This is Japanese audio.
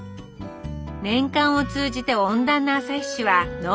年間を通じて温暖な旭市は農業が盛ん。